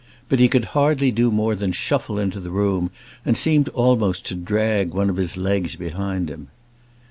But he could hardly do more than shuffle into the room, and seemed almost to drag one of his legs behind him.